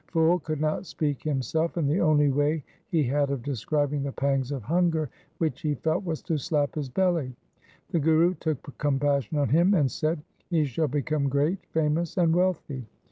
Phul could not speak himself, and the only way he had of describing the pangs of hunger which he felt was to slap his belly. The Guru took compassion on him and said, ' He shall become great, famous, and wealthy.